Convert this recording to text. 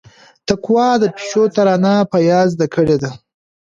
تقوا د پيشو ترانه په ياد زده کړيده.